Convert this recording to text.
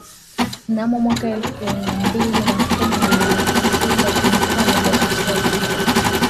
mnamo mwaka elfu mbili na kumi na sita kulikuwa na jasusi wa kike